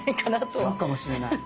そうかもしれない。